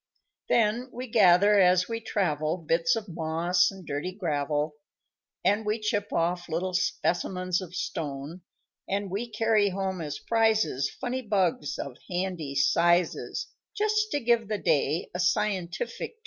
_ _Then we gather, as we travel, Bits of moss and dirty gravel, And we chip off little specimens of stone; And we carry home as prizes Funny bugs, of handy sizes, Just to give the day a scientific tone.